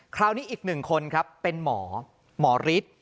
คราวนี้อีกหนึ่งคนครับเป็นหมอหมอฤทธิ์